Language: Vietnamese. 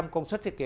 công suất thiết kế